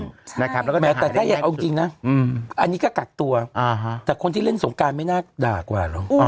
แล้วก็แม้แต่ถ้าอยากเอาจริงนะอันนี้ก็กักตัวแต่คนที่เล่นสงการไม่น่าด่ากว่าหรอก